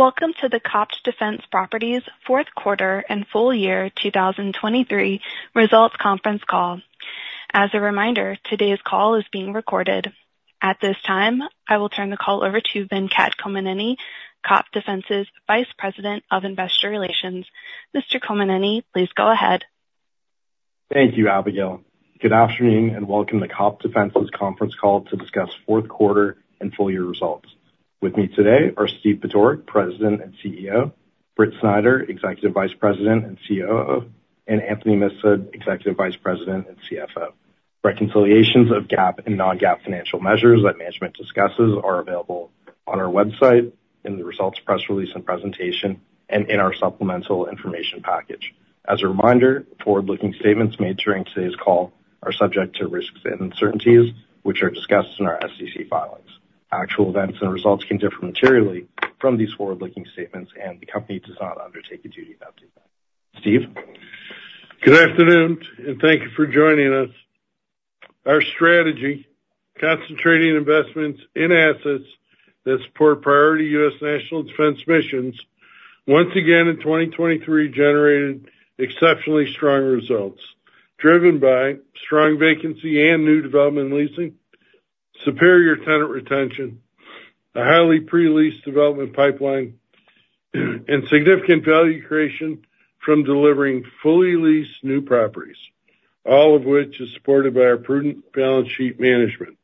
Welcome to the COPT Defense Properties fourth quarter and full year 2023 results conference call. As a reminder, today's call is being recorded. At this time, I will turn the call over to Venkat Kommineni, COPT Defense Properties' Vice President of Investor Relations. Mr. Kommineni, please go ahead. Thank you, Abigail. Good afternoon and welcome to COPT Defense's conference call to discuss fourth quarter and full year results. With me today are Steve Budorick, President and CEO; Britt Snider, Executive Vice President and COO; and Anthony Mifsud, Executive Vice President and CFO. Reconciliations of GAAP and non-GAAP financial measures that management discusses are available on our website, in the results press release and presentation, and in our supplemental information package. As a reminder, forward-looking statements made during today's call are subject to risks and uncertainties, which are discussed in our SEC filings. Actual events and results can differ materially from these forward-looking statements, and the company does not undertake a duty of updating them. Steve? Good afternoon and thank you for joining us. Our strategy, concentrating investments in assets that support priority U.S. national defense missions, once again in 2023 generated exceptionally strong results, driven by strong vacancy and new development leasing, superior tenant retention, a highly pre-leased development pipeline, and significant value creation from delivering fully leased new properties, all of which is supported by our prudent balance sheet management.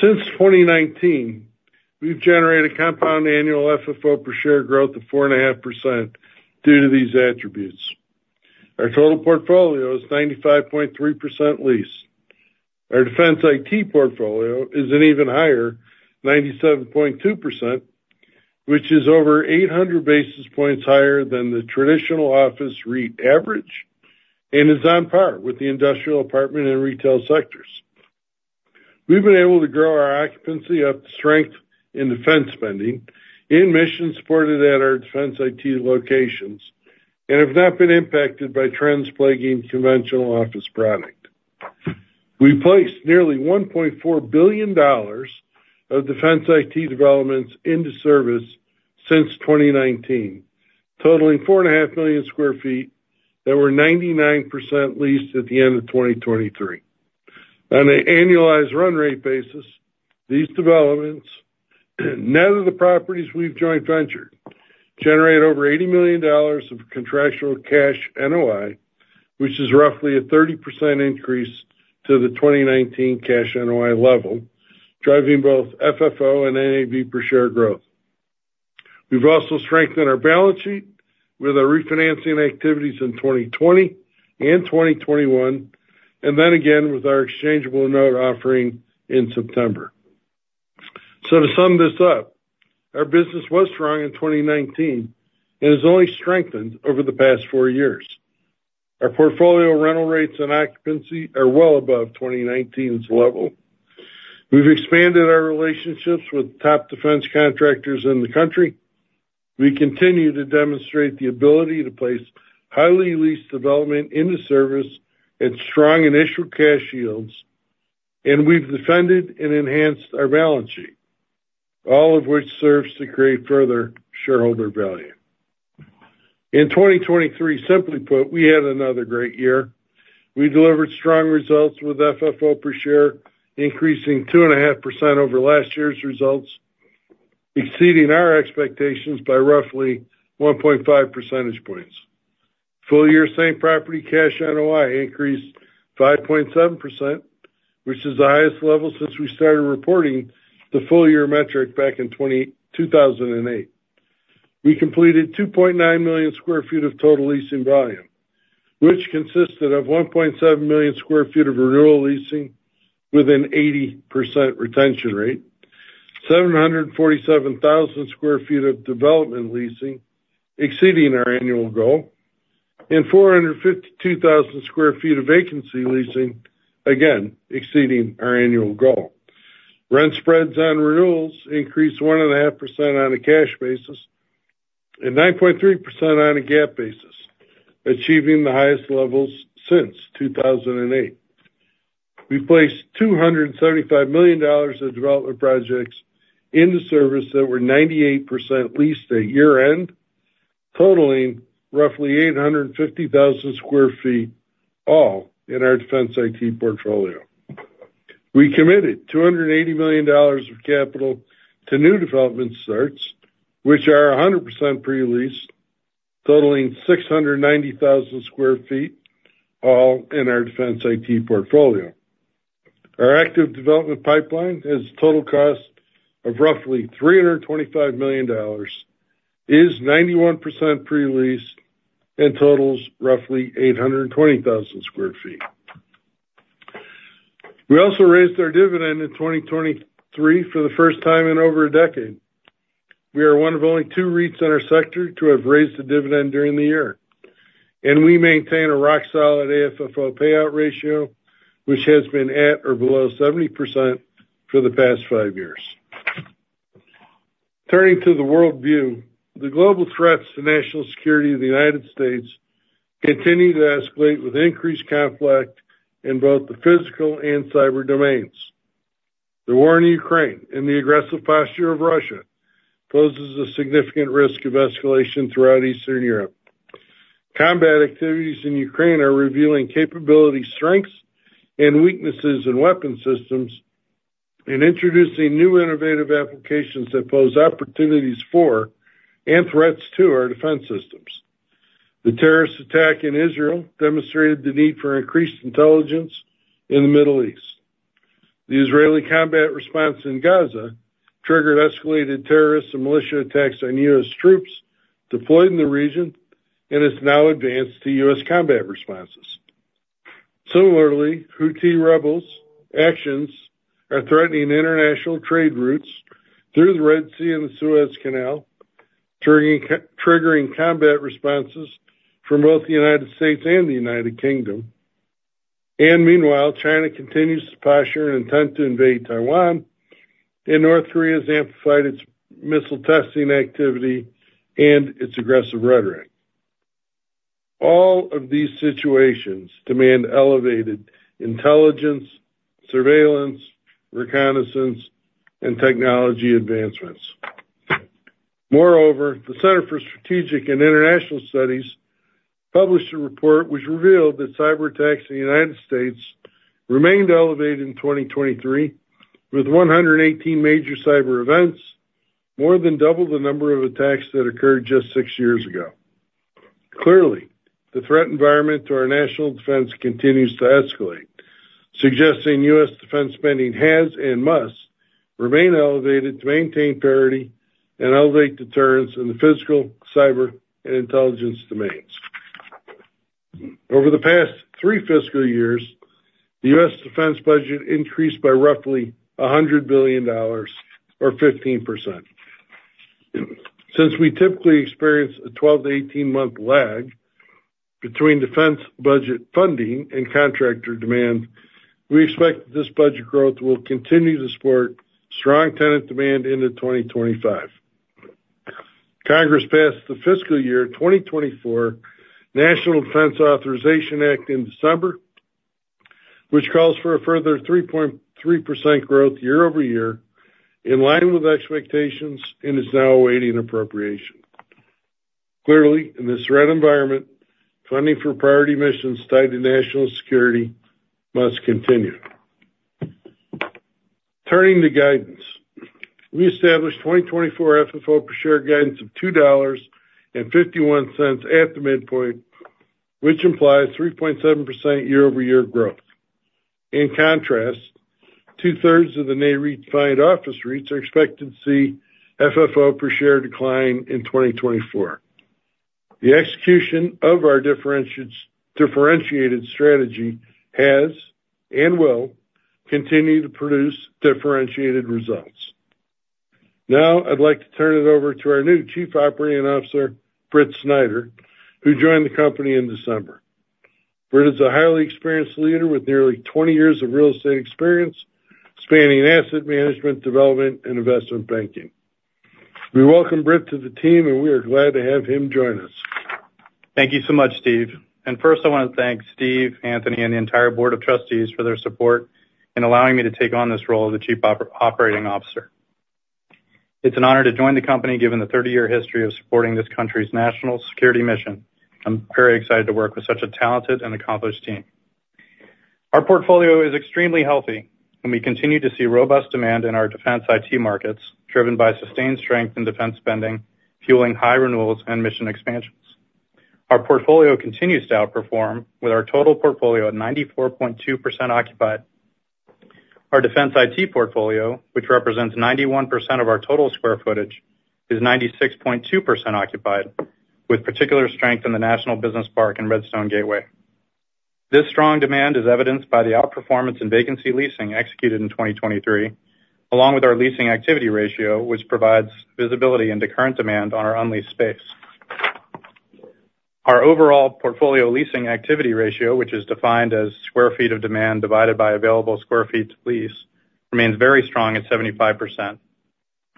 Since 2019, we've generated compound annual FFO per share growth of 4.5% due to these attributes. Our total portfolio is 95.3% leased. Our defense IT portfolio is an even higher, 97.2%, which is over 800 basis points higher than the traditional office REIT average and is on par with the industrial apartment and retail sectors. We've been able to grow our occupancy up to strength in defense spending in missions supported at our defense IT locations and have not been impacted by trends plaguing conventional office product. We've placed nearly $1.4 billion of defense IT developments into service since 2019, totaling 4.5 million sq ft that were 99% leased at the end of 2023. On an annualized run rate basis, these developments, none of the properties we've joint ventured, generate over $80 million of contractual cash NOI, which is roughly a 30% increase to the 2019 cash NOI level, driving both FFO and NAV per share growth. We've also strengthened our balance sheet with our refinancing activities in 2020 and 2021, and then again with our exchangeable note offering in September. So to sum this up, our business was strong in 2019 and has only strengthened over the past four years. Our portfolio rental rates and occupancy are well above 2019's level. We've expanded our relationships with top defense contractors in the country. We continue to demonstrate the ability to place highly leased development into service at strong initial cash yields, and we've defended and enhanced our balance sheet, all of which serves to create further shareholder value. In 2023, simply put, we had another great year. We delivered strong results with FFO per share, increasing 2.5% over last year's results, exceeding our expectations by roughly 1.5 percentage points. Full year, same property cash NOI increased 5.7%, which is the highest level since we started reporting the full year metric back in 2008. We completed 2.9 million sq ft of total leasing volume, which consisted of 1.7 million sq ft of renewal leasing with an 80% retention rate, 747,000 sq ft of development leasing exceeding our annual goal, and 452,000 sq ft of vacancy leasing again exceeding our annual goal. Rent spreads on renewals increased 1.5% on a cash basis and 9.3% on a GAAP basis, achieving the highest levels since 2008. We placed $275 million of development projects into service that were 98% leased at year-end, totaling roughly 850,000 sq ft all in our defense IT portfolio. We committed $280 million of capital to new development starts, which are 100% pre-leased, totaling 690,000 sq ft all in our defense IT portfolio. Our active development pipeline, at a total cost of roughly $325 million, is 91% pre-leased and totals roughly 820,000 sq ft. We also raised our dividend in 2023 for the first time in over a decade. We are one of only two REITs in our sector to have raised a dividend during the year, and we maintain a rock-solid AFFO payout ratio, which has been at or below 70% for the past five years. Turning to the world view, the global threats to national security of the United States continue to escalate with increased conflict in both the physical and cyber domains. The war in Ukraine and the aggressive posture of Russia poses a significant risk of escalation throughout Eastern Europe. Combat activities in Ukraine are revealing capability strengths and weaknesses in weapon systems and introducing new innovative applications that pose opportunities for and threats to our defense systems. The terrorist attack in Israel demonstrated the need for increased intelligence in the Middle East. The Israeli combat response in Gaza triggered escalated terrorist and militia attacks on U.S. troops deployed in the region and has now advanced to U.S. combat responses. Similarly, Houthi rebels' actions are threatening international trade routes through the Red Sea and the Suez Canal, triggering combat responses from both the United States and the United Kingdom. Meanwhile, China continues to posture an intent to invade Taiwan, and North Korea has amplified its missile testing activity and its aggressive rhetoric. All of these situations demand elevated intelligence, surveillance, reconnaissance, and technology advancements. Moreover, the Center for Strategic and International Studies published a report which revealed that cyber attacks in the United States remained elevated in 2023 with 118 major cyber events, more than double the number of attacks that occurred just six years ago. Clearly, the threat environment to our national defense continues to escalate, suggesting U.S. Defense spending has and must remain elevated to maintain parity and elevate deterrence in the physical, cyber, and intelligence domains. Over the past three fiscal years, the U.S. defense budget increased by roughly $100 billion or 15%. Since we typically experience a 12- to 18-month lag between defense budget funding and contractor demand, we expect that this budget growth will continue to support strong tenant demand into 2025. Congress passed the fiscal year 2024 National Defense Authorization Act in December, which calls for a further 3.3% growth year-over-year in line with expectations and is now awaiting appropriation. Clearly, in this threat environment, funding for priority missions tied to national security must continue. Turning to guidance, we established 2024 FFO per share guidance of $2.51 at the midpoint, which implies 3.7% year-over-year growth. In contrast, two-thirds of the NAV defined office REITs are expected to see FFO per share decline in 2024. The execution of our differentiated strategy has and will continue to produce differentiated results. Now, I'd like to turn it over to our new Chief Operating Officer, Britt Snider, who joined the company in December. Britt is a highly experienced leader with nearly 20 years of real estate experience spanning asset management, development, and investment banking. We welcome Britt to the team, and we are glad to have him join us. Thank you so much, Steve. First, I want to thank Steve, Anthony, and the entire board of trustees for their support in allowing me to take on this role of the Chief Operating Officer. It's an honor to join the company given the 30-year history of supporting this country's national security mission. I'm very excited to work with such a talented and accomplished team. Our portfolio is extremely healthy, and we continue to see robust demand in our defense IT markets driven by sustained strength in defense spending, fueling high renewals and mission expansions. Our portfolio continues to outperform with our total portfolio at 94.2% occupied. Our defense IT portfolio, which represents 91% of our total square footage, is 96.2% occupied, with particular strength in the National Business Park and Redstone Gateway. This strong demand is evidenced by the outperformance in vacancy leasing executed in 2023, along with our leasing activity ratio, which provides visibility into current demand on our unleased space. Our overall portfolio leasing activity ratio, which is defined as square feet of demand divided by available square feet lease, remains very strong at 75%,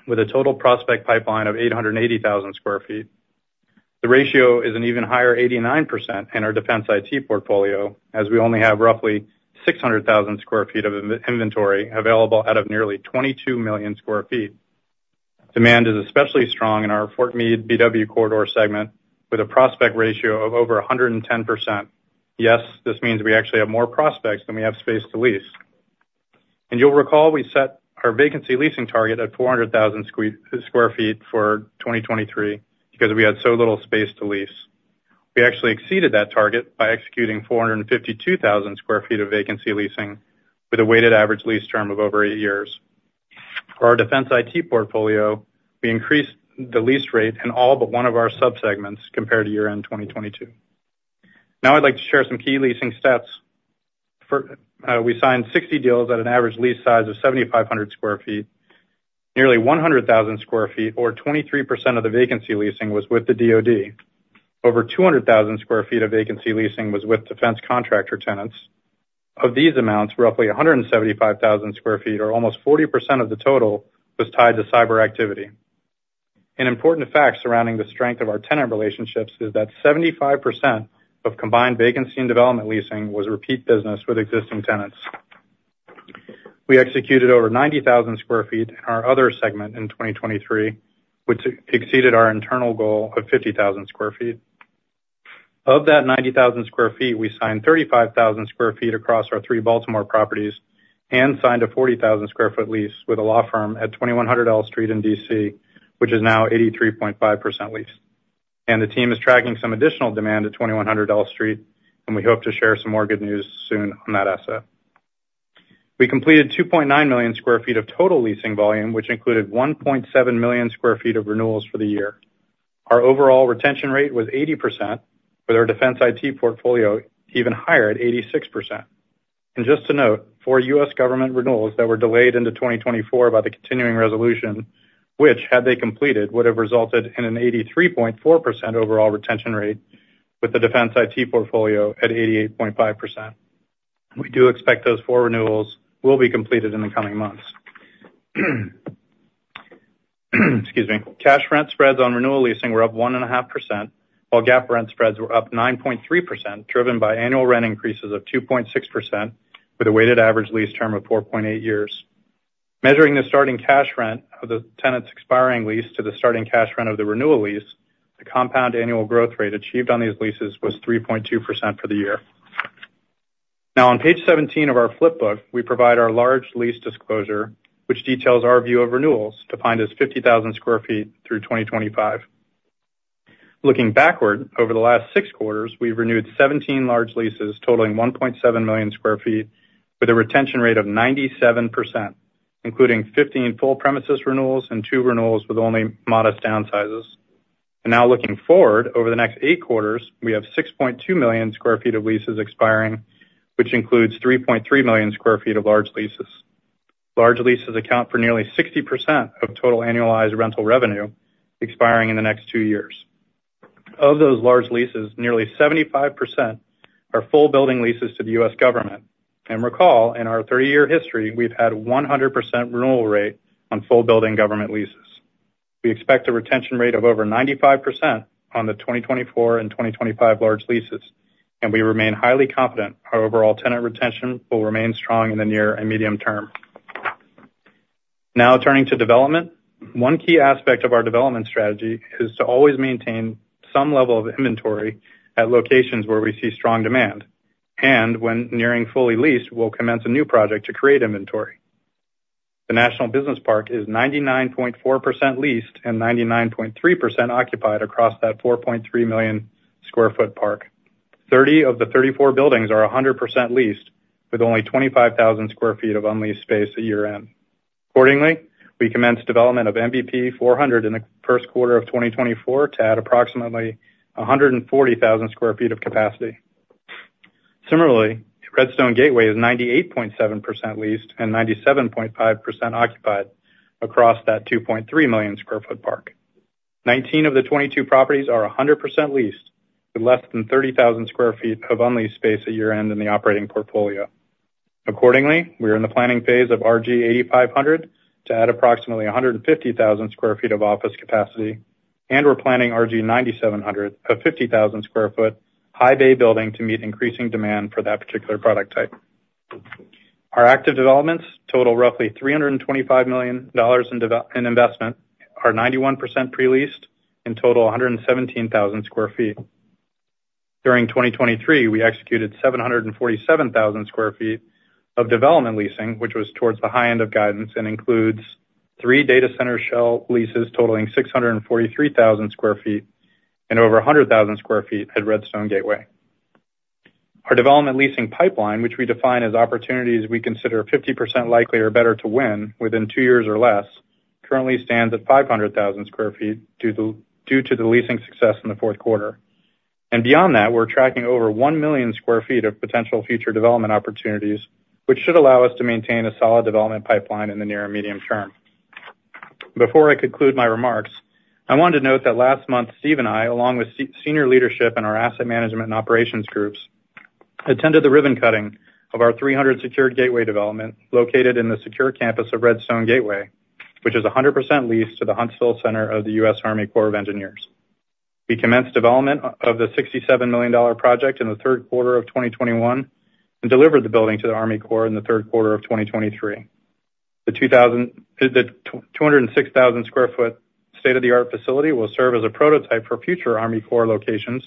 with a total prospect pipeline of 880,000 sq ft. The ratio is an even higher 89% in our defense IT portfolio, as we only have roughly 600,000 sq ft of inventory available out of nearly 22 million sq ft. Demand is especially strong in our Fort Meade/BW Corridor segment, with a prospect ratio of over 110%. Yes, this means we actually have more prospects than we have space to lease. And you'll recall we set our vacancy leasing target at 400,000 sq ft for 2023 because we had so little space to lease. We actually exceeded that target by executing 452,000 sq ft of vacancy leasing, with a weighted average lease term of over eight years. For our defense IT portfolio, we increased the lease rate in all but one of our subsegments compared to year-end 2022. Now, I'd like to share some key leasing stats. We signed 60 deals at an average lease size of 7,500 sq ft. Nearly 100,000 sq ft, or 23% of the vacancy leasing, was with the DOD. Over 200,000 sq ft of vacancy leasing was with defense contractor tenants. Of these amounts, roughly 175,000 sq ft, or almost 40% of the total, was tied to cyber activity. An important fact surrounding the strength of our tenant relationships is that 75% of combined vacancy and development leasing was repeat business with existing tenants. We executed over 90,000 sq ft in our other segment in 2023, which exceeded our internal goal of 50,000 sq ft. Of that 90,000 sq ft, we signed 35,000 sq ft across our three Baltimore properties and signed a 40,000 sq ft lease with a law firm at 2100 L Street in D.C., which is now 83.5% leased. The team is tracking some additional demand at 2100 L Street, and we hope to share some more good news soon on that asset. We completed 2.9 million sq ft of total leasing volume, which included 1.7 million sq ft of renewals for the year. Our overall retention rate was 80%, with our defense IT portfolio even higher at 86%. Just to note, four U.S. Government renewals that were delayed into 2024 by the continuing resolution, which had they completed, would have resulted in an 83.4% overall retention rate, with the defense IT portfolio at 88.5%. We do expect those four renewals will be completed in the coming months. Excuse me. Cash rent spreads on renewal leasing were up 1.5%, while GAAP rent spreads were up 9.3%, driven by annual rent increases of 2.6%, with a weighted average lease term of 4.8 years. Measuring the starting cash rent of the tenant's expiring lease to the starting cash rent of the renewal lease, the compound annual growth rate achieved on these leases was 3.2% for the year. Now, on page 17 of our flipbook, we provide our large lease disclosure, which details our view of renewals defined as 50,000 sq ft through 2025. Looking backward over the last six quarters, we've renewed 17 large leases, totaling 1.7 million sq ft, with a retention rate of 97%, including 15 full premises renewals and two renewals with only modest downsizes. Now looking forward over the next eight quarters, we have 6.2 million sq ft of leases expiring, which includes 3.3 million sq ft of large leases. Large leases account for nearly 60% of total annualized rental revenue expiring in the next two years. Of those large leases, nearly 75% are full building leases to the U.S. government. Recall, in our 30-year history, we've had a 100% renewal rate on full building government leases. We expect a retention rate of over 95% on the 2024 and 2025 large leases, and we remain highly confident our overall tenant retention will remain strong in the near and medium term. Now, turning to development, one key aspect of our development strategy is to always maintain some level of inventory at locations where we see strong demand, and when nearing fully leased, we'll commence a new project to create inventory. The National Business Park is 99.4% leased and 99.3% occupied across that 4.3 million sq ft park. 30 of the 34 buildings are 100% leased, with only 25,000 sq ft of unleased space at year-end. Accordingly, we commence development of NBP 400 in the first quarter of 2024 to add approximately 140,000 sq ft of capacity. Similarly, Redstone Gateway is 98.7% leased and 97.5% occupied across that 2.3 million sq ft park. 19 of the 22 properties are 100% leased, with less than 30,000 sq ft of unleased space at year-end in the operating portfolio. Accordingly, we are in the planning phase of RG 8500 to add approximately 150,000 sq ft of office capacity, and we're planning RG 9700, a 50,000 sq ft high-bay building to meet increasing demand for that particular product type. Our active developments, total roughly $325 million in investment, are 91% pre-leased and total 117,000 sq ft. During 2023, we executed 747,000 sq ft of development leasing, which was towards the high end of guidance and includes three data center shell leases totaling 643,000 sq ft and over 100,000 sq ft at Redstone Gateway. Our development leasing pipeline, which we define as opportunities we consider 50% likely or better to win within two years or less, currently stands at 500,000 sq ft due to the leasing success in the fourth quarter. Beyond that, we're tracking over 1 million sq ft of potential future development opportunities, which should allow us to maintain a solid development pipeline in the near and medium term. Before I conclude my remarks, I wanted to note that last month, Steve and I, along with senior leadership in our asset management and operations groups, attended the ribbon cutting of our 300 Secure Gateway development located in the secure campus of Redstone Gateway, which is 100% leased to the Huntsville Center of the U.S. Army Corps of Engineers. We commenced development of the $67 million project in the third quarter of 2021 and delivered the building to the Army Corps in the third quarter of 2023. The 206,000 sq ft state-of-the-art facility will serve as a prototype for future Army Corps locations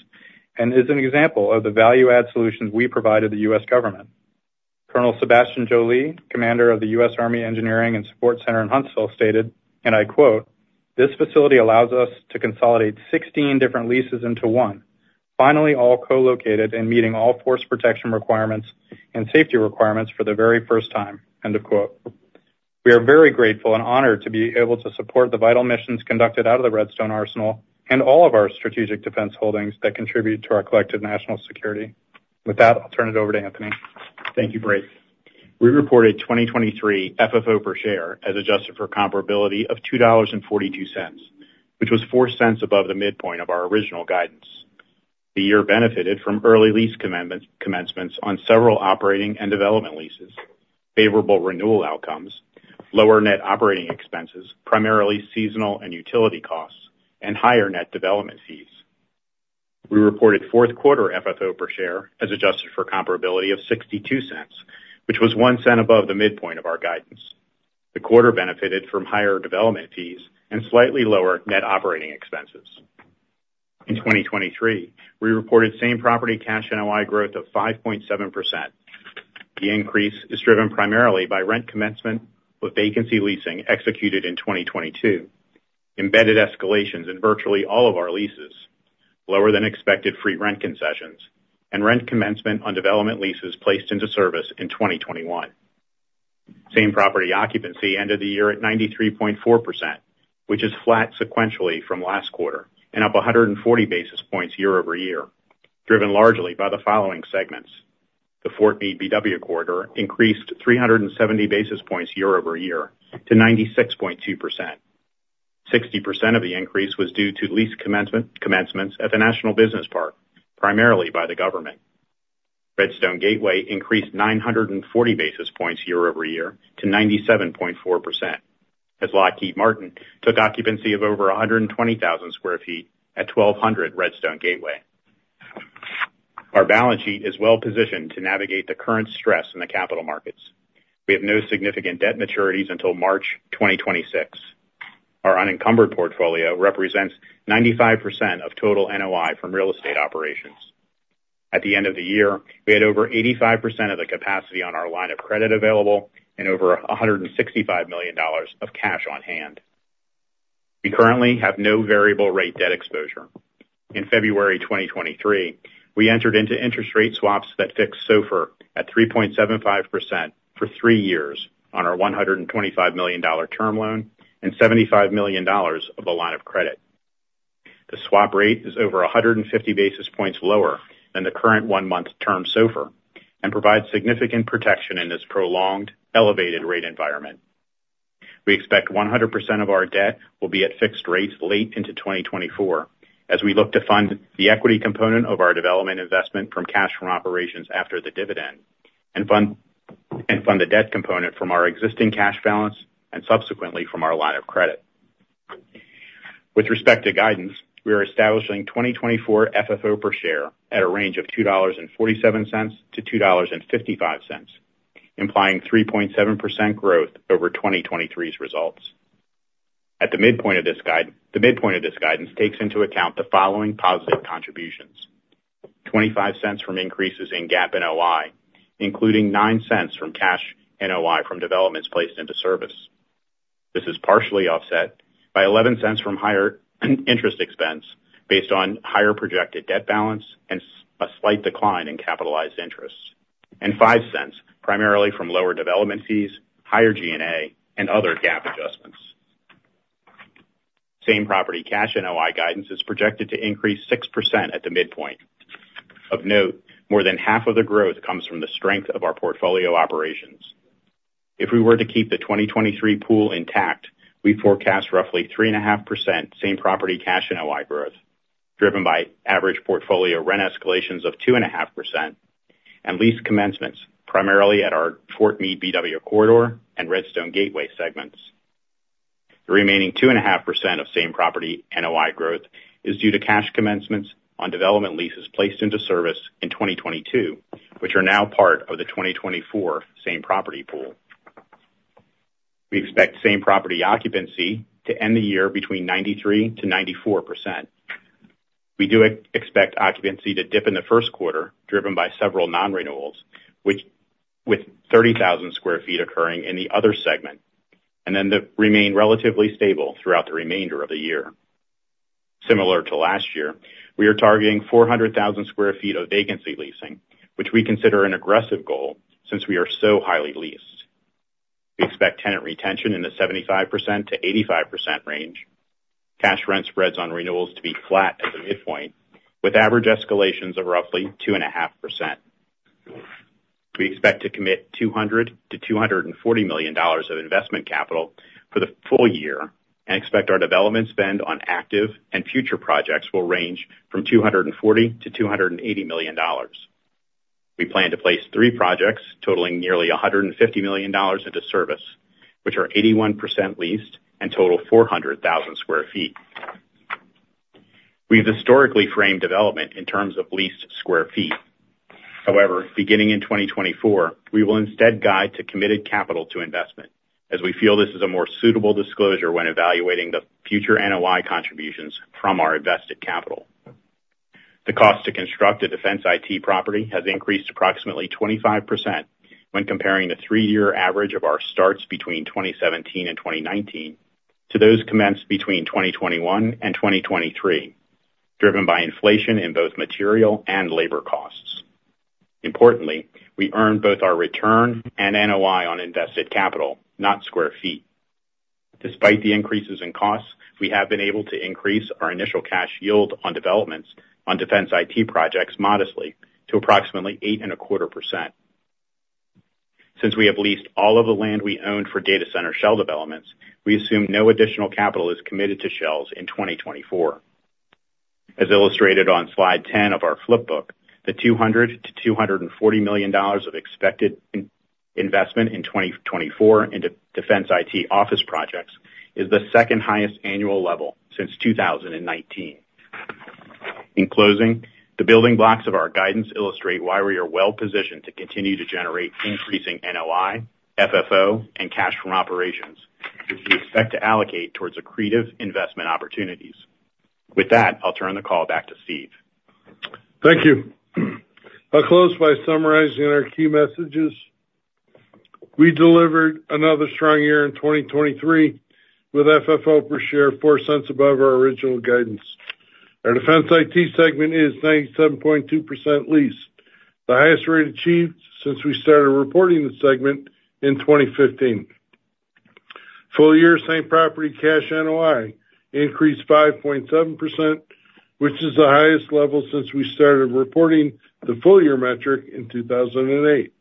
and is an example of the value-add solutions we provide to the U.S. government. Colonel Sebastien Joly, commander of the U.S. Army Engineering and Support Center in Huntsville, stated, and I quote, "This facility allows us to consolidate 16 different leases into one, finally all co-located and meeting all force protection requirements and safety requirements for the very first time." End of quote. We are very grateful and honored to be able to support the vital missions conducted out of the Redstone Arsenal and all of our strategic defense holdings that contribute to our collective national security. With that, I'll turn it over to Anthony. Thank you, Britt. We report a 2023 FFO per share as adjusted for comparability of $2.42, which was $0.04 above the midpoint of our original guidance. The year benefited from early lease commencements on several operating and development leases, favorable renewal outcomes, lower net operating expenses, primarily seasonal and utility costs, and higher net development fees. We reported fourth quarter FFO per share as adjusted for comparability of $0.62, which was $0.01 above the midpoint of our guidance. The quarter benefited from higher development fees and slightly lower net operating expenses. In 2023, we reported same property cash NOI growth of 5.7%. The increase is driven primarily by rent commencement with vacancy leasing executed in 2022, embedded escalations in virtually all of our leases, lower than expected free rent concessions, and rent commencement on development leases placed into service in 2021. Same property occupancy ended the year at 93.4%, which is flat sequentially from last quarter and up 140 basis points year-over-year, driven largely by the following segments. The Fort Meade/BW Corridor increased 370 basis points year-over-year to 96.2%. 60% of the increase was due to lease commencements at the National Business Park, primarily by the government. Redstone Gateway increased 940 basis points year-over-year to 97.4%, as Lockheed Martin took occupancy of over 120,000 sq ft at 1200 Redstone Gateway. Our balance sheet is well positioned to navigate the current stress in the capital markets. We have no significant debt maturities until March 2026. Our unencumbered portfolio represents 95% of total NOI from real estate operations. At the end of the year, we had over 85% of the capacity on our line of credit available and over $165 million of cash on hand. We currently have no variable-rate debt exposure. In February 2023, we entered into interest rate swaps that fixed SOFR at 3.75% for three years on our $125 million term loan and $75 million of the line of credit. The swap rate is over 150 basis points lower than the current one-month term SOFR and provides significant protection in this prolonged, elevated rate environment. We expect 100% of our debt will be at fixed rates late into 2024, as we look to fund the equity component of our development investment from cash from operations after the dividend and fund the debt component from our existing cash balance and subsequently from our line of credit. With respect to guidance, we are establishing 2024 FFO per share at a range of $2.47-$2.55, implying 3.7% growth over 2023's results. At the midpoint of this guidance, the midpoint of this guidance takes into account the following positive contributions: $0.25 from increases in GAAP NOI, including $0.09 from cash NOI from developments placed into service. This is partially offset by $0.11 from higher interest expense based on higher projected debt balance and a slight decline in capitalized interest, and $0.05 primarily from lower development fees, higher G&A, and other GAAP adjustments. Same property cash NOI guidance is projected to increase 6% at the midpoint. Of note, more than half of the growth comes from the strength of our portfolio operations. If we were to keep the 2023 pool intact, we forecast roughly 3.5% same property cash NOI growth, driven by average portfolio rent escalations of 2.5% and lease commencements primarily at our Fort Meade/BW Corridor and Redstone Gateway segments. The remaining 2.5% of same property NOI growth is due to cash commencements on development leases placed into service in 2022, which are now part of the 2024 same property pool. We expect same property occupancy to end the year between 93%-94%. We do expect occupancy to dip in the first quarter, driven by several non-renewals, with 30,000 sq ft occurring in the other segment and then remain relatively stable throughout the remainder of the year. Similar to last year, we are targeting 400,000 sq ft of vacancy leasing, which we consider an aggressive goal since we are so highly leased. We expect tenant retention in the 75%-85% range, cash rent spreads on renewals to be flat at the midpoint, with average escalations of roughly 2.5%. We expect to commit $200 million-$240 million of investment capital for the full year and expect our development spend on active and future projects will range from $240 million-$280 million. We plan to place three projects totaling nearly $150 million into service, which are 81% leased and total 400,000 sq ft. We've historically framed development in terms of leased square feet. However, beginning in 2024, we will instead guide to committed capital to investment, as we feel this is a more suitable disclosure when evaluating the future NOI contributions from our invested capital. The cost to construct a defense IT property has increased approximately 25% when comparing the three-year average of our starts between 2017 and 2019 to those commenced between 2021 and 2023, driven by inflation in both material and labor costs. Importantly, we earned both our return and NOI on invested capital, not square feet. Despite the increases in costs, we have been able to increase our initial cash yield on developments on defense IT projects modestly to approximately 8.25%. Since we have leased all of the land we owned for data center shell developments, we assume no additional capital is committed to shells in 2024. As illustrated on slide 10 of our flipbook, the $200 million-$240 million of expected investment in 2024 into defense IT office projects is the second highest annual level since 2019. In closing, the building blocks of our guidance illustrate why we are well positioned to continue to generate increasing NOI, FFO, and cash from operations, which we expect to allocate towards accretive investment opportunities. With that, I'll turn the call back to Steve. Thank you. I'll close by summarizing our key messages. We delivered another strong year in 2023 with FFO per share $0.04 above our original guidance. Our defense IT segment is 97.2% leased, the highest rate achieved since we started reporting the segment in 2015. Full year, same property cash NOI increased 5.7%, which is the highest level since we started reporting the full-year metric in 2008.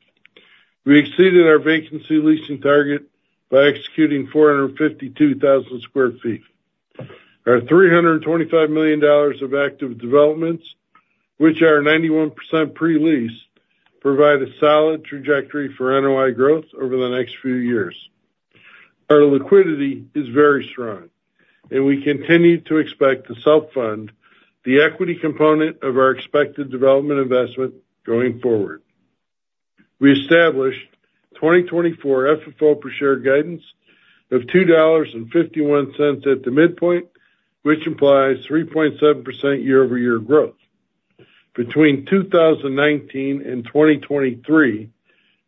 We exceeded our vacancy leasing target by executing 452,000 sq ft. Our $325 million of active developments, which are 91% pre-leased, provide a solid trajectory for NOI growth over the next few years. Our liquidity is very strong, and we continue to expect to self-fund the equity component of our expected development investment going forward. We established 2024 FFO per share guidance of $2.51 at the midpoint, which implies 3.7% year-over-year growth. Between 2019 and 2023,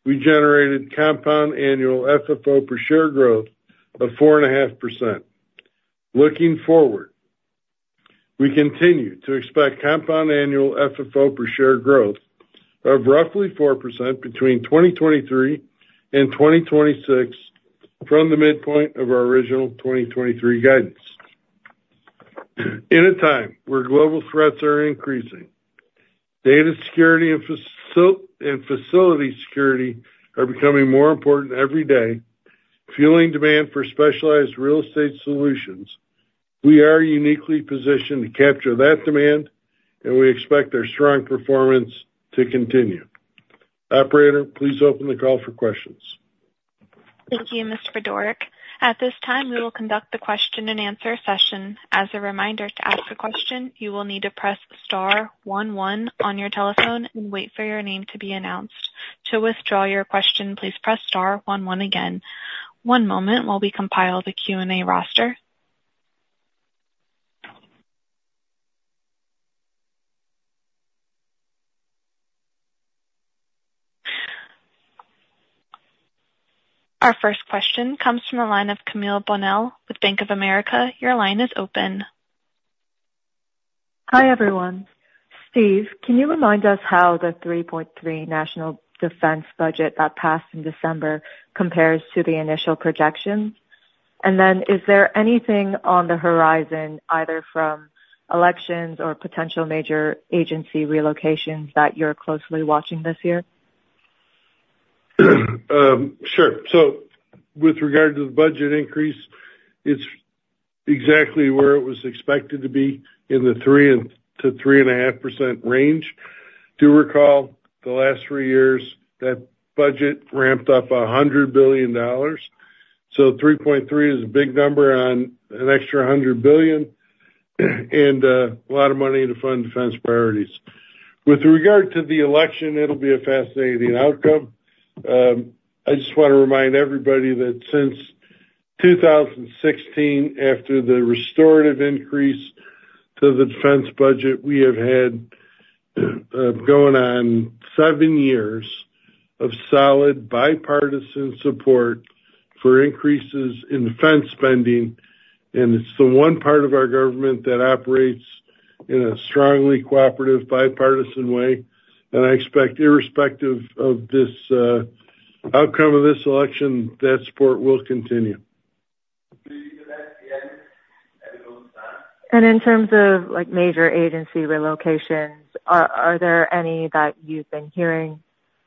we generated compound annual FFO per share growth of 4.5%. Looking forward, we continue to expect compound annual FFO per share growth of roughly 4% between 2023 and 2026 from the midpoint of our original 2023 guidance. In a time where global threats are increasing, data security and facility security are becoming more important every day, fueling demand for specialized real estate solutions, we are uniquely positioned to capture that demand, and we expect our strong performance to continue. Operator, please open the call for questions. Thank you, Mr. Budorick. At this time, we will conduct the question-and-answer session. As a reminder, to ask a question, you will need to press star one one on your telephone and wait for your name to be announced. To withdraw your question, please press star one one again. One moment while we compile the Q&A roster. Our first question comes from the line of Camille Bonnel with Bank of America. Your line is open. Hi, everyone. Steve, can you remind us how the 3.3% national defense budget that passed in December compares to the initial projections? And then is there anything on the horizon, either from elections or potential major agency relocations, that you're closely watching this year? Sure. So with regard to the budget increase, it's exactly where it was expected to be in the 3%-3.5% range. Do recall the last three years, that budget ramped up $100 billion. So 3.3% is a big number on an extra $100 billion and a lot of money to fund defense priorities. With regard to the election, it'll be a fascinating outcome. I just want to remind everybody that since 2016, after the restorative increase to the defense budget, we have had going on seven years of solid bipartisan support for increases in defense spending. And it's the one part of our government that operates in a strongly cooperative bipartisan way. And I expect, irrespective of this outcome of this election, that support will continue. In terms of major agency relocations, are there any that you've been hearing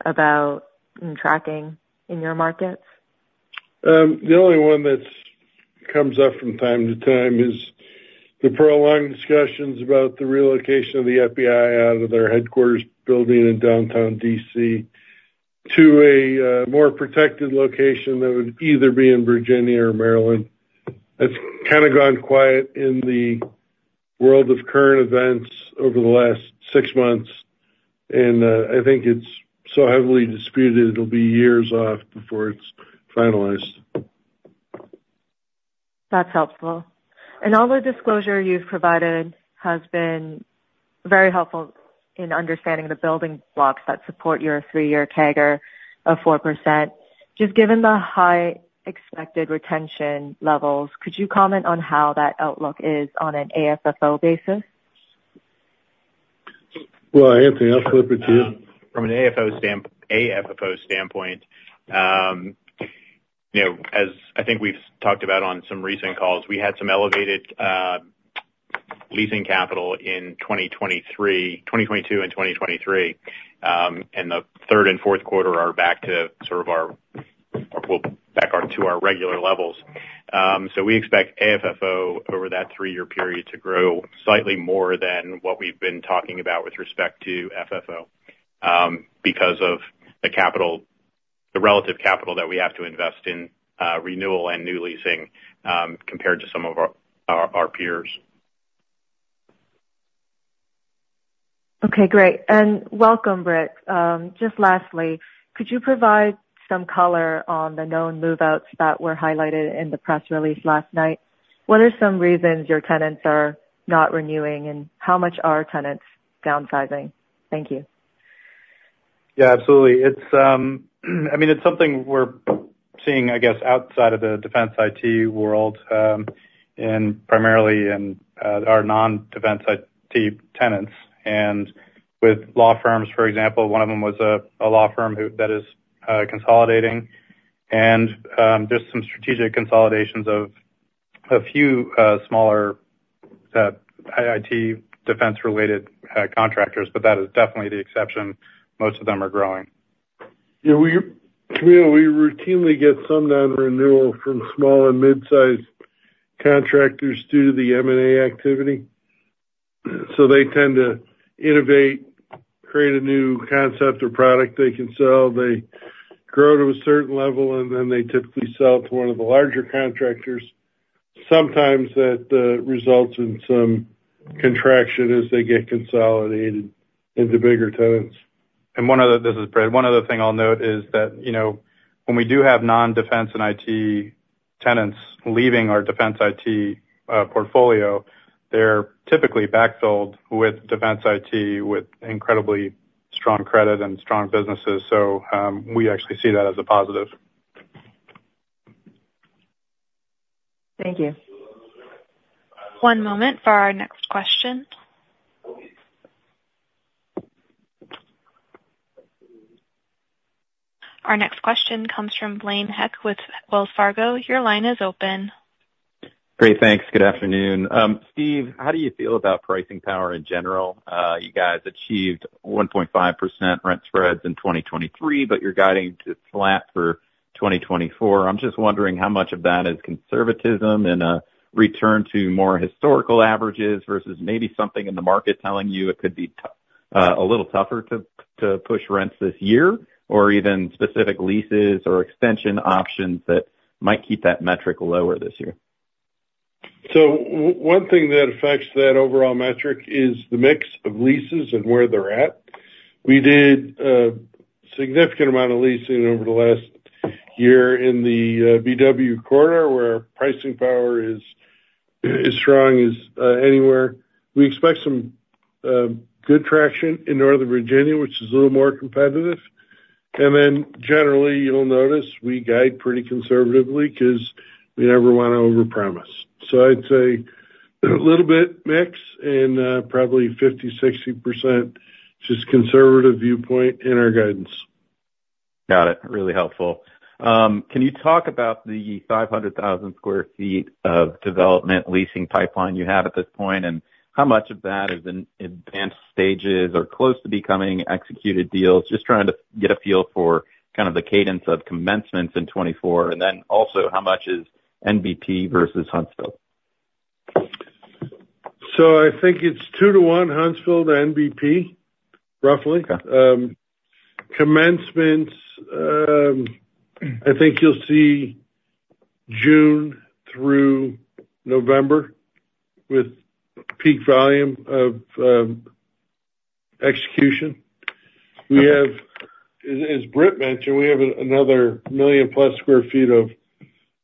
about and tracking in your markets? The only one that comes up from time to time is the prolonged discussions about the relocation of the FBI out of their headquarters building in downtown D.C. to a more protected location that would either be in Virginia or Maryland. That's kind of gone quiet in the world of current events over the last six months. I think it's so heavily disputed it'll be years off before it's finalized. That's helpful. And all the disclosure you've provided has been very helpful in understanding the building blocks that support your three-year CAGR of 4%. Just given the high expected retention levels, could you comment on how that outlook is on an AFFO basis? Well, Anthony, I'll flip it to you. From an AFFO standpoint, as I think we've talked about on some recent calls, we had some elevated leasing capital in 2022 and 2023. The third and fourth quarter are back to sort of our, well, back to our regular levels. So we expect AFFO over that three-year period to grow slightly more than what we've been talking about with respect to FFO because of the relative capital that we have to invest in renewal and new leasing compared to some of our peers. Okay, great. Welcome, Britt. Just lastly, could you provide some color on the known moveouts that were highlighted in the press release last night? What are some reasons your tenants are not renewing, and how much are tenants downsizing? Thank you. Yeah, absolutely. I mean, it's something we're seeing, I guess, outside of the defense IT world and primarily in our non-defense IT tenants. And with law firms, for example, one of them was a law firm that is consolidating. And there's some strategic consolidations of a few smaller IT defense-related contractors, but that is definitely the exception. Most of them are growing. Yeah, Camille, we routinely get some non-renewal from small and midsize contractors due to the M&A activity. So they tend to innovate, create a new concept or product they can sell. They grow to a certain level, and then they typically sell to one of the larger contractors. Sometimes that results in some contraction as they get consolidated into bigger tenants. This is Britt. One other thing I'll note is that when we do have non-defense and IT tenants leaving our defense IT portfolio, they're typically backfilled with defense IT with incredibly strong credit and strong businesses. So we actually see that as a positive. Thank you. One moment for our next question. Our next question comes from Blaine Heck with Wells Fargo. Your line is open. Great. Thanks. Good afternoon. Steve, how do you feel about pricing power in general? You guys achieved 1.5% rent spreads in 2023, but you're guiding to flat for 2024. I'm just wondering how much of that is conservatism and a return to more historical averages versus maybe something in the market telling you it could be a little tougher to push rents this year or even specific leases or extension options that might keep that metric lower this year. So one thing that affects that overall metric is the mix of leases and where they're at. We did a significant amount of leasing over the last year in the BW Corridor where pricing power is as strong as anywhere. We expect some good traction in Northern Virginia, which is a little more competitive. And then generally, you'll notice we guide pretty conservatively because we never want to overpromise. So I'd say a little bit mix and probably 50%-60% just conservative viewpoint in our guidance. Got it. Really helpful. Can you talk about the 500,000 sq ft of development leasing pipeline you have at this point and how much of that is in advanced stages or close to becoming executed deals? Just trying to get a feel for kind of the cadence of commencements in 2024. And then also, how much is NBP versus Huntsville? So I think it's 2:1 Huntsville to NBP, roughly. Commencements, I think you'll see June through November with peak volume of execution. As Britt mentioned, we have another 1 million+ sq ft of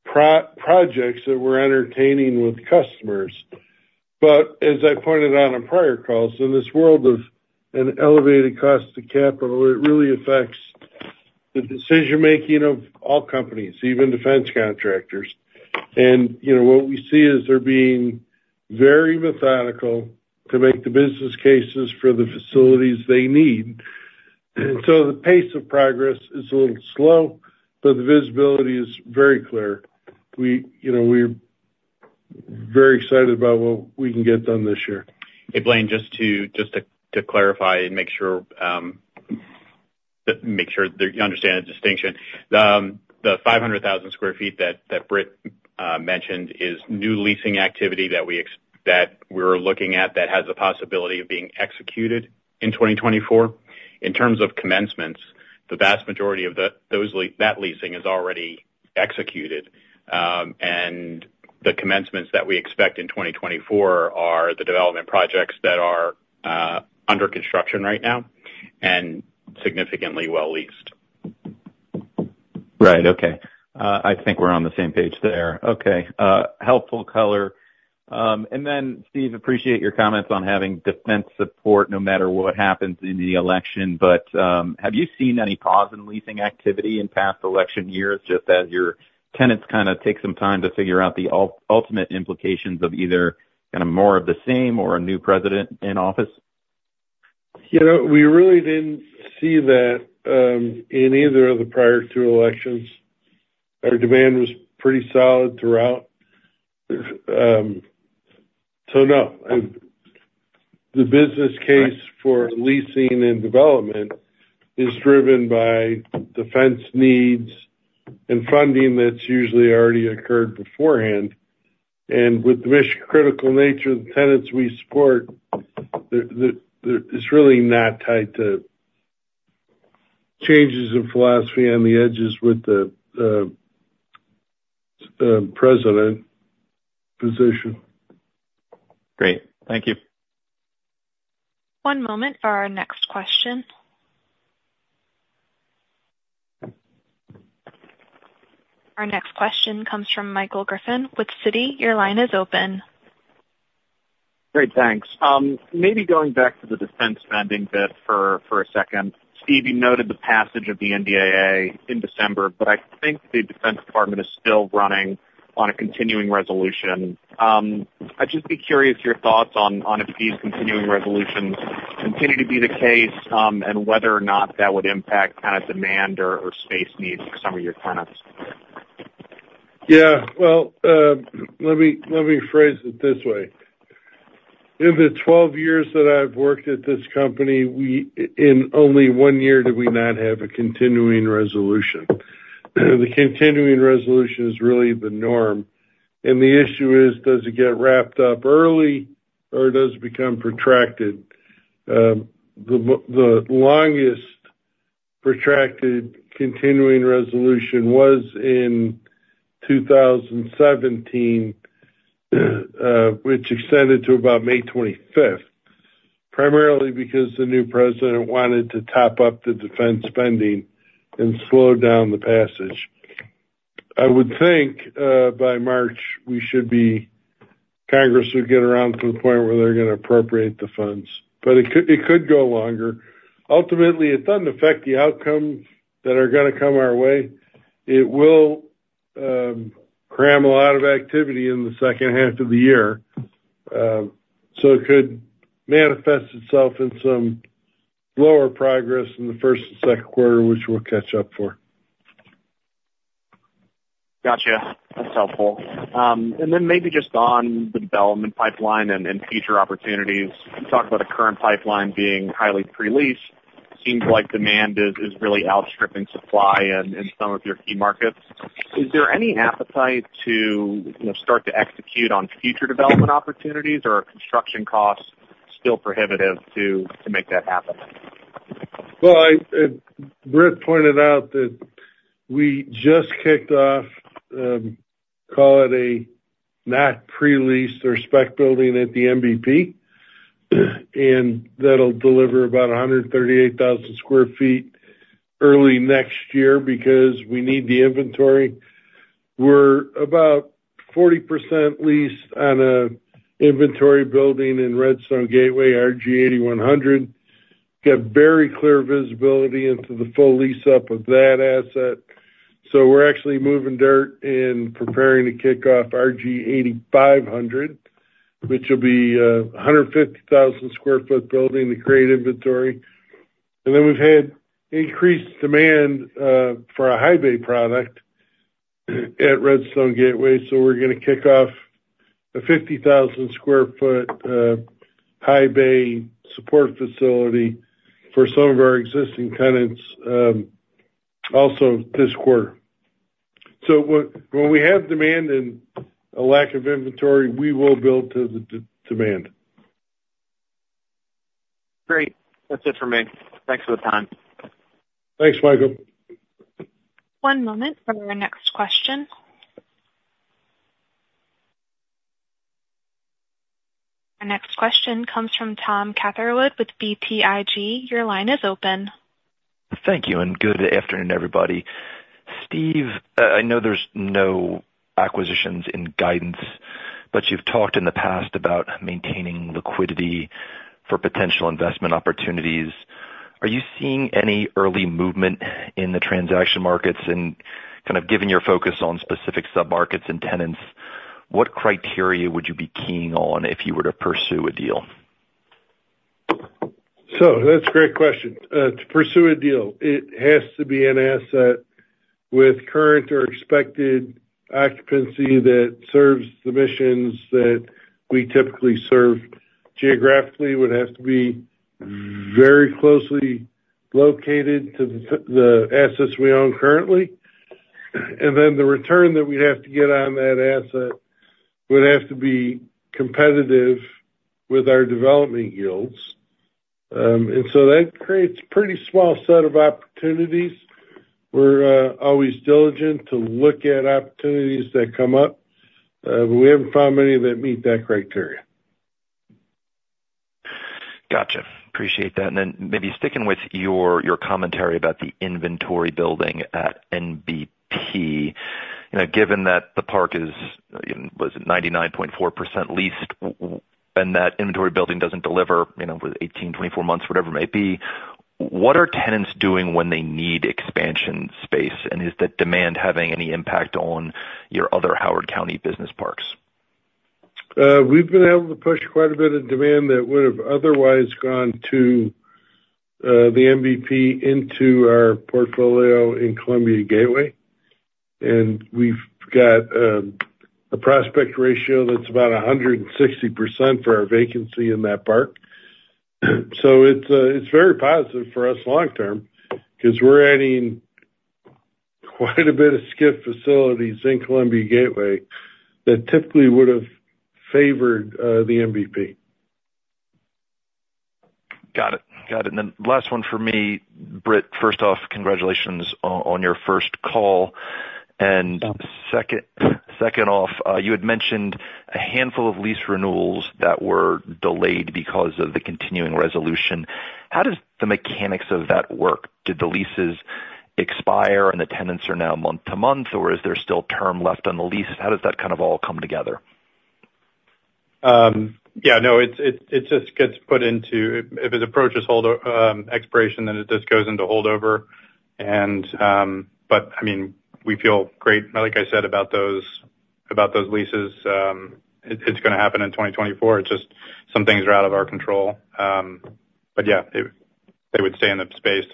projects that we're entertaining with customers. But as I pointed out on prior calls, in this world of an elevated cost to capital, it really affects the decision-making of all companies, even defense contractors. And what we see is they're being very methodical to make the business cases for the facilities they need. And so the pace of progress is a little slow, but the visibility is very clear. We're very excited about what we can get done this year. Hey, Blaine, just to clarify and make sure that you understand the distinction. The 500,000 sq ft that Britt mentioned is new leasing activity that we're looking at that has the possibility of being executed in 2024. In terms of commencements, the vast majority of that leasing is already executed. And the commencements that we expect in 2024 are the development projects that are under construction right now and significantly well-leased. Right. Okay. I think we're on the same page there. Okay. Helpful color. And then, Steve, appreciate your comments on having defense support no matter what happens in the election. But have you seen any pause in leasing activity in past election years just as your tenants kind of take some time to figure out the ultimate implications of either kind of more of the same or a new president in office? We really didn't see that in either of the prior two elections. Our demand was pretty solid throughout. So no, the business case for leasing and development is driven by defense needs and funding that's usually already occurred beforehand. And with the mission-critical nature of the tenants we support, it's really not tied to changes in philosophy on the edges with the president position. Great. Thank you. One moment for our next question. Our next question comes from Michael Griffin with Citi. Your line is open. Great. Thanks. Maybe going back to the defense spending bit for a second. Steve even noted the passage of the NDAA in December, but I think the Defense Department is still running on a continuing resolution. I'd just be curious your thoughts on if these continuing resolutions continue to be the case and whether or not that would impact kind of demand or space needs for some of your tenants. Yeah. Well, let me phrase it this way. In the 12 years that I've worked at this company, in only one year did we not have a continuing resolution. The continuing resolution is really the norm. The issue is, does it get wrapped up early, or does it become protracted? The longest protracted continuing resolution was in 2017, which extended to about May 25th, primarily because the new president wanted to top up the defense spending and slow down the passage. I would think by March, Congress would get around to the point where they're going to appropriate the funds. But it could go longer. Ultimately, it doesn't affect the outcome that are going to come our way. It will cram a lot of activity in the second half of the year. It could manifest itself in some lower progress in the first and second quarter, which we'll catch up for. Gotcha. That's helpful. And then maybe just on the development pipeline and future opportunities, you talked about the current pipeline being highly pre-leased. Seems like demand is really outstripping supply in some of your key markets. Is there any appetite to start to execute on future development opportunities, or are construction costs still prohibitive to make that happen? Well, Britt pointed out that we just kicked off, call it a not pre-leased or spec building at the NBP, and that'll deliver about 138,000 sq ft early next year because we need the inventory. We're about 40% leased on an inventory building in Redstone Gateway, RG 8100. Got very clear visibility into the full lease-up of that asset. So we're actually moving dirt and preparing to kick off RG 8500, which will be a 150,000 sq ft building to create inventory. And then we've had increased demand for a high-bay product at Redstone Gateway. So we're going to kick off a 50,000 sq ft high-bay support facility for some of our existing tenants also this quarter. So when we have demand and a lack of inventory, we will build to the demand. Great. That's it from me. Thanks for the time. Thanks, Michael. One moment for our next question. Our next question comes from Tom Catherwood with BTIG. Your line is open. Thank you. Good afternoon, everybody. Steve, I know there's no acquisitions in guidance, but you've talked in the past about maintaining liquidity for potential investment opportunities. Are you seeing any early movement in the transaction markets? And kind of given your focus on specific submarkets and tenants, what criteria would you be keying on if you were to pursue a deal? That's a great question. To pursue a deal, it has to be an asset with current or expected occupancy that serves the missions that we typically serve. Geographically, it would have to be very closely located to the assets we own currently. And then the return that we'd have to get on that asset would have to be competitive with our development yields. And so that creates a pretty small set of opportunities. We're always diligent to look at opportunities that come up, but we haven't found many that meet that criteria. Gotcha. Appreciate that. And then maybe sticking with your commentary about the inventory building at NBP, given that the park is, was it 99.4% leased? And that inventory building doesn't deliver with 18-24 months, whatever it may be. What are tenants doing when they need expansion space? And is that demand having any impact on your other Howard County business parks? We've been able to push quite a bit of demand that would have otherwise gone to the NBP into our portfolio in Columbia Gateway. We've got a prospect ratio that's about 160% for our vacancy in that park. It's very positive for us long-term because we're adding quite a bit of SCIF facilities in Columbia Gateway that typically would have favored the NBP. Got it. Got it. And then last one for me, Britt. First off, congratulations on your first call. And second off, you had mentioned a handful of lease renewals that were delayed because of the continuing resolution. How does the mechanics of that work? Did the leases expire and the tenants are now month to month, or is there still term left on the lease? How does that kind of all come together? Yeah. No, it just gets put into if an approach is held expiration, then it just goes into holdover. But I mean, we feel great, like I said, about those leases. It's going to happen in 2024. It's just some things are out of our control. But yeah, they would stay in the space.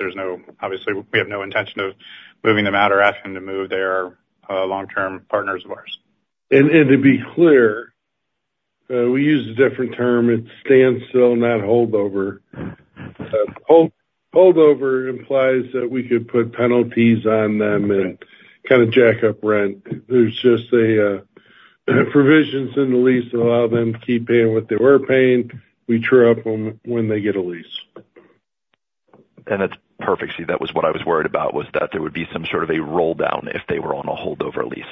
Obviously, we have no intention of moving them out or asking them to move. They are long-term partners of ours. To be clear, we use a different term. It's standstill, not holdover. Holdover implies that we could put penalties on them and kind of jack up rent. There's just provisions in the lease that allow them to keep paying what they were paying. We true up them when they get a lease. That's perfect, Steve. That was what I was worried about, was that there would be some sort of a roll-down if they were on a holdover lease.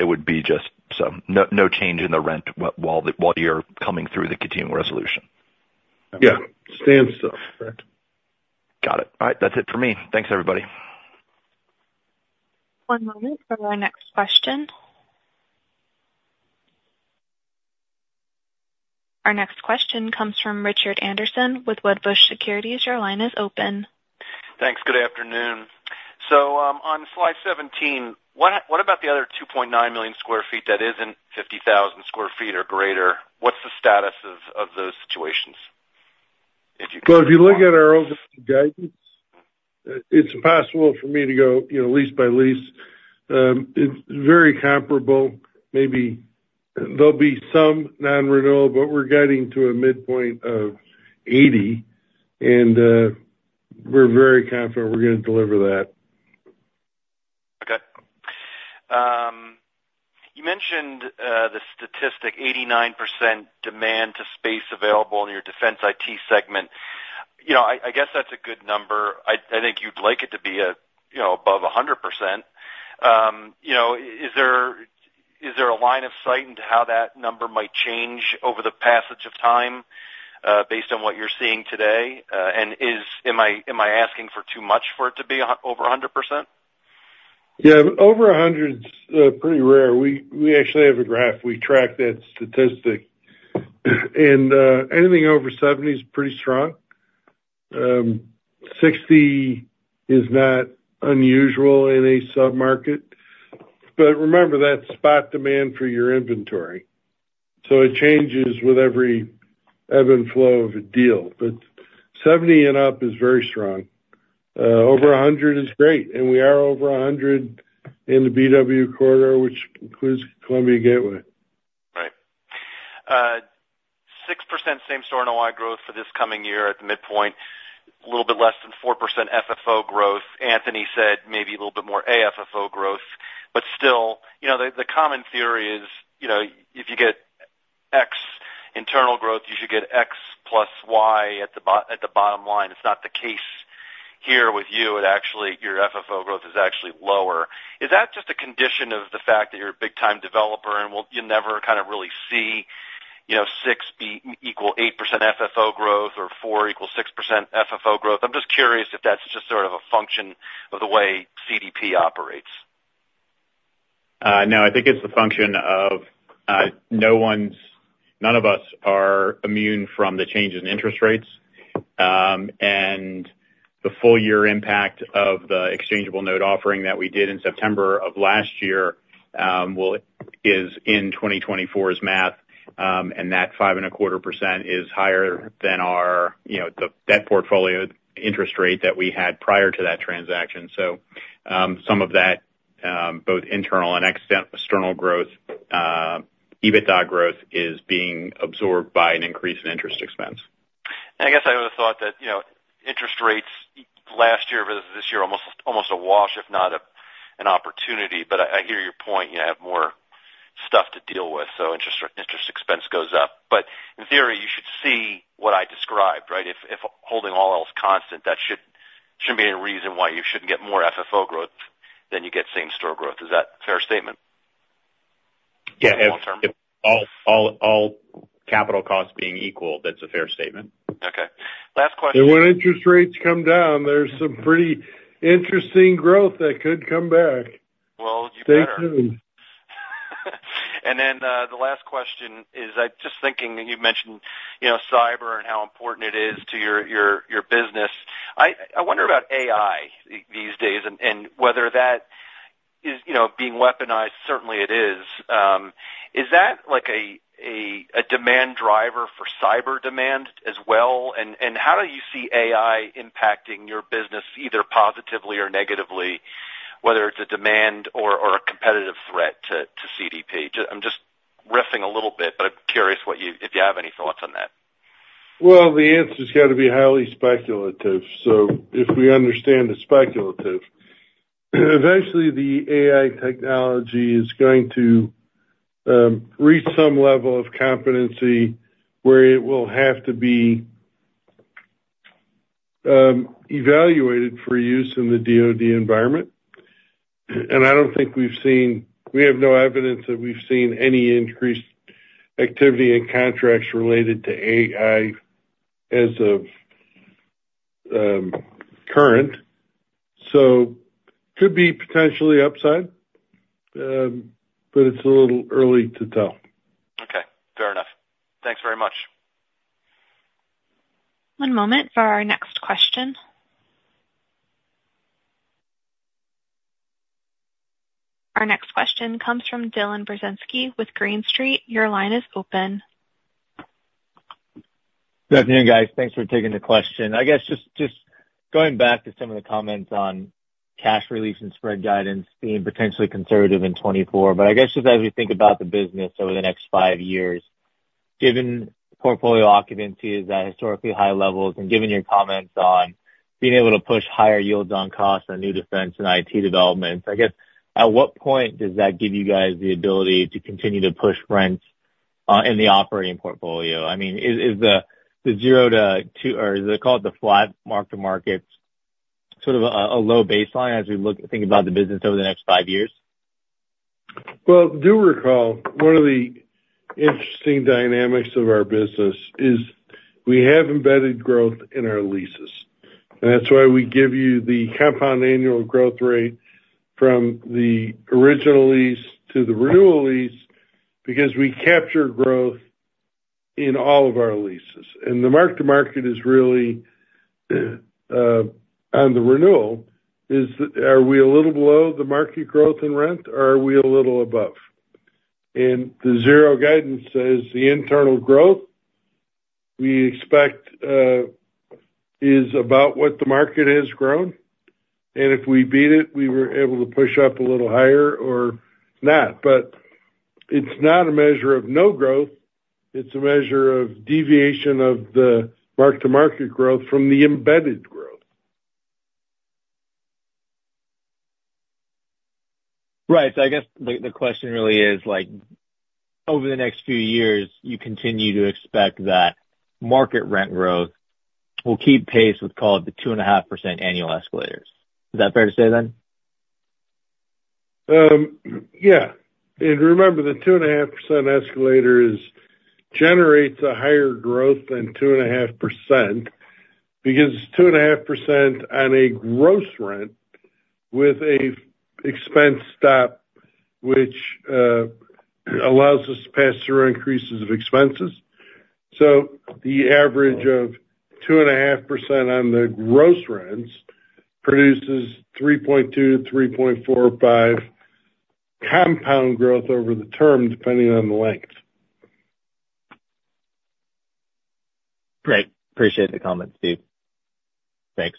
It would be just so no change in the rent while you're coming through the continuing resolution. Yeah. Standstill, correct. Got it. All right. That's it for me. Thanks, everybody. One moment for our next question. Our next question comes from Richard Anderson with Wedbush Securities. Your line is open. Thanks. Good afternoon. So on slide 17, what about the other 2.9 million sq ft that isn't 50,000 sq ft or greater? What's the status of those situations, if you could? Well, if you look at our overall guidance, it's possible for me to go lease by lease. It's very comparable. Maybe there'll be some non-renewal, but we're guiding to a midpoint of 80%. We're very confident we're going to deliver that. Okay. You mentioned the statistic, 89% demand to space available in your defense IT segment. I guess that's a good number. I think you'd like it to be above 100%. Is there a line of sight into how that number might change over the passage of time based on what you're seeing today? And am I asking for too much for it to be over 100%? Yeah. Over 100s is pretty rare. We actually have a graph we track that statistic. And anything over 70s is pretty strong. 60% is not unusual in a submarket. But remember, that's spot demand for your inventory. So it changes with every ebb and flow of a deal. But 70% and up is very strong. Over 100% is great. And we are over 100% in the BW Corridor, which includes Columbia Gateway. Right. 6% same-store NOI growth for this coming year at the midpoint, a little bit less than 4% FFO growth. Anthony said maybe a little bit more AFFO growth. But still, the common theory is if you get X internal growth, you should get X + Y at the bottom line. It's not the case here with you. Your FFO growth is actually lower. Is that just a condition of the fact that you're a big-time developer and you'll never kind of really see 6% = 8% FFO growth or 4% = 6% FFO growth? I'm just curious if that's just sort of a function of the way CDP operates. No. I think it's the function of none of us are immune from the changes in interest rates. The full-year impact of the exchangeable note offering that we did in September of last year is in 2024's math. That 5.25% is higher than the debt portfolio interest rate that we had prior to that transaction. So some of that, both internal and external growth, EBITDA growth is being absorbed by an increase in interest expense. I guess I would have thought that interest rates last year versus this year, almost a wash, if not an opportunity. But I hear your point. You have more stuff to deal with, so interest expense goes up. But in theory, you should see what I described, right? If holding all else constant, that shouldn't be any reason why you shouldn't get more FFO growth than you get same-store growth. Is that a fair statement long-term? Yeah. All capital costs being equal, that's a fair statement. Okay. Last question. When interest rates come down, there's some pretty interesting growth that could come back. Well, you better. Stay tuned. Then the last question is, I'm just thinking you mentioned cyber and how important it is to your business. I wonder about AI these days and whether that is being weaponized. Certainly, it is. Is that a demand driver for cyber demand as well? And how do you see AI impacting your business either positively or negatively, whether it's a demand or a competitive threat to CDP? I'm just riffing a little bit, but I'm curious if you have any thoughts on that. Well, the answer's got to be highly speculative. So if we understand it's speculative, eventually, the AI technology is going to reach some level of competency where it will have to be evaluated for use in the DOD environment. And I don't think we have no evidence that we've seen any increased activity in contracts related to AI as of current. So it could be potentially upside, but it's a little early to tell. Okay. Fair enough. Thanks very much. One moment for our next question. Our next question comes from Dylan Burzinski with Green Street. Your line is open. Good afternoon, guys. Thanks for taking the question. I guess just going back to some of the comments on cash release and spread guidance being potentially conservative in 2024. But I guess just as we think about the business over the next five years, given portfolio occupancy is at historically high levels, and given your comments on being able to push higher yields on costs on new defense and IT developments, I guess at what point does that give you guys the ability to continue to push rents in the operating portfolio? I mean, is the zero to or is it called the flat mark-to-market sort of a low baseline as we think about the business over the next five years? Well, do recall one of the interesting dynamics of our business is we have embedded growth in our leases. That's why we give you the compound annual growth rate from the original lease to the renewal lease because we capture growth in all of our leases. The mark-to-market is really on the renewal. Are we a little below the market growth in rent, or are we a little above? The zero guidance says the internal growth we expect is about what the market has grown. If we beat it, we were able to push up a little higher or not. But it's not a measure of no growth. It's a measure of deviation of the mark-to-market growth from the embedded growth. Right. So I guess the question really is, over the next few years, you continue to expect that market rent growth will keep pace with, call it, the 2.5% annual escalators. Is that fair to say then? Yeah. And remember, the 2.5% escalator generates a higher growth than 2.5% because it's 2.5% on a gross rent with an expense stop, which allows us to pass through increases of expenses. So the average of 2.5% on the gross rents produces 3.2%-3.45% compound growth over the term, depending on the length. Great. Appreciate the comments, Steve. Thanks.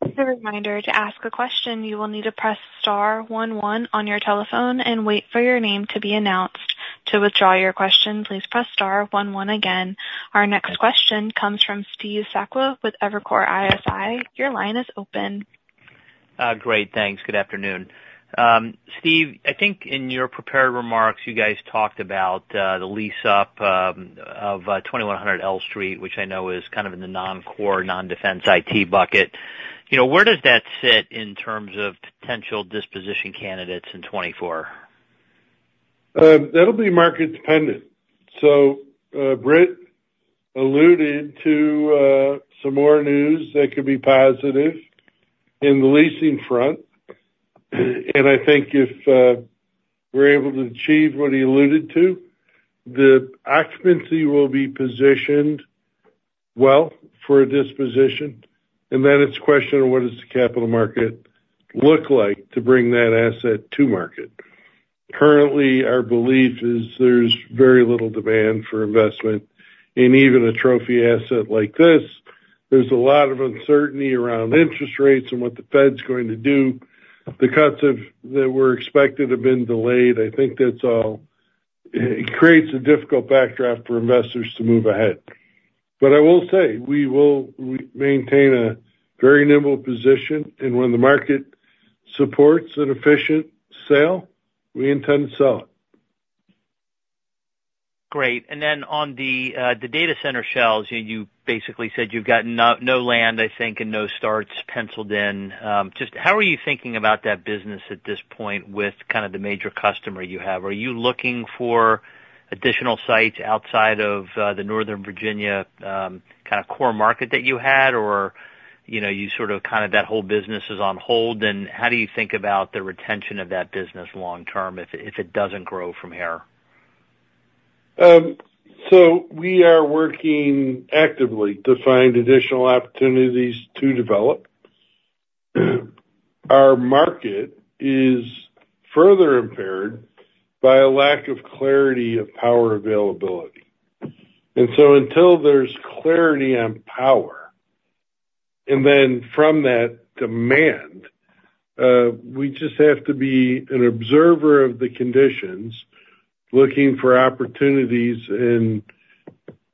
As a reminder to ask a question, you will need to press star one one on your telephone and wait for your name to be announced. To withdraw your question, please press star one again. Our next question comes from Steve Sakwa with Evercore ISI. Your line is open. Great. Thanks. Good afternoon. Steve, I think in your prepared remarks, you guys talked about the lease-up of 2100 L Street, which I know is kind of in the non-core, non-defense IT bucket. Where does that sit in terms of potential disposition candidates in 2024? That'll be market-dependent. Britt alluded to some more news that could be positive in the leasing front. I think if we're able to achieve what he alluded to, the occupancy will be positioned well for a disposition. Then it's a question of what does the capital market look like to bring that asset to market. Currently, our belief is there's very little demand for investment in even a trophy asset like this. There's a lot of uncertainty around interest rates and what the Fed's going to do. The cuts that were expected have been delayed. I think that's all it creates a difficult backdrop for investors to move ahead. I will say we will maintain a very nimble position. When the market supports an efficient sale, we intend to sell it. Great. And then on the data center shells, you basically said you've got no land, I think, and no starts penciled in. Just how are you thinking about that business at this point with kind of the major customer you have? Are you looking for additional sites outside of the Northern Virginia kind of core market that you had, or you sort of kind of that whole business is on hold? And how do you think about the retention of that business long-term if it doesn't grow from here? We are working actively to find additional opportunities to develop. Our market is further impaired by a lack of clarity of power availability. Until there's clarity on power and then from that demand, we just have to be an observer of the conditions, looking for opportunities and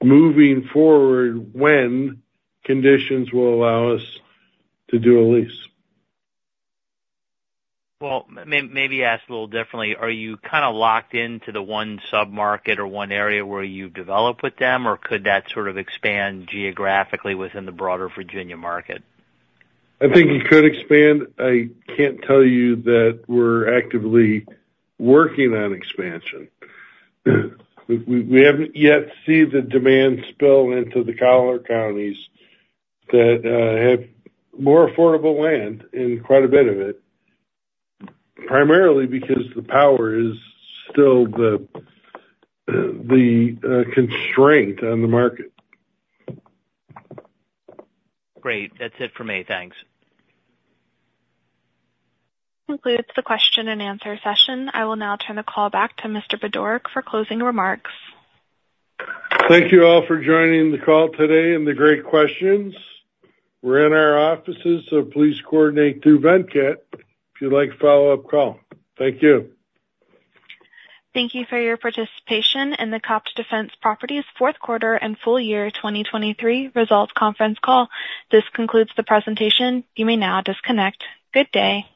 moving forward when conditions will allow us to do a lease. Well, maybe ask a little differently. Are you kind of locked into the one submarket or one area where you've developed with them, or could that sort of expand geographically within the broader Virginia market? I think it could expand. I can't tell you that we're actively working on expansion. We haven't yet seen the demand spill into the collar counties that have more affordable land and quite a bit of it, primarily because the power is still the constraint on the market. Great. That's it for me. Thanks. concludes the question-and-answer session. I will now turn the call back to Mr. Budorick for closing remarks. Thank you all for joining the call today and the great questions. We're in our offices, so please coordinate through Venkat if you'd like a follow-up call. Thank you. Thank you for your participation in the COPT Defense Properties fourth quarter and full year 2023 results conference call. This concludes the presentation. You may now disconnect. Good day.